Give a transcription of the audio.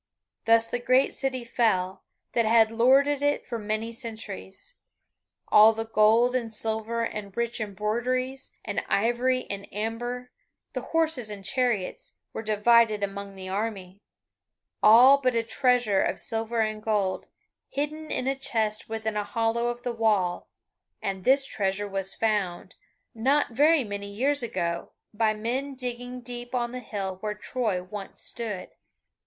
Thus the grey city fell, that had lorded it for many centuries. All the gold and silver and rich embroideries, and ivory and amber, the horses and chariots, were divided among the army; all but a treasure of silver and gold, hidden in a chest within a hollow of the wall, and this treasure was found, not very many years ago, by men digging deep on the hill where Troy once stood.